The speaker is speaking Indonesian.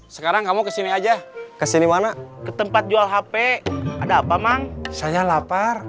sekarang kamu kesini aja kesini mana ke tempat jual hp ada apa mang saya lapar